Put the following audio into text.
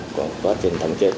có trình thẩm chế